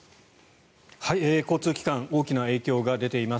交通機関大きな影響が出ています。